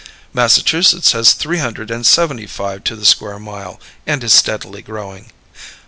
Massachusetts has three hundred and seventy five to the square mile, and is steadily growing.